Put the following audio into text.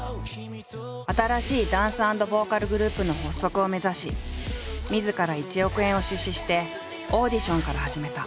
新しいダンス＆ボーカルグループの発足を目指しみずから１億円を出資してオーディションから始めた。